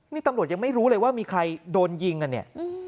นี่ตำรวจยังไม่รู้เลยว่ามีใครโดนยิงกันเนี่ย